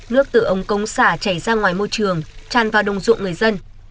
nước từ ông cống xả chảy ra ngoài môi trường tràn vào đồng ruộng người dân